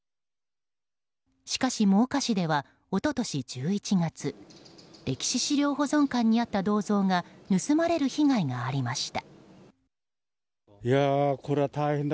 しかし、真岡市では一昨年１１月歴史資料保存館にあった銅像が盗まれる被害がありました。